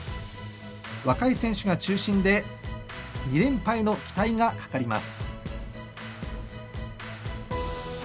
若い選手が中心で２連覇への期待がかかります。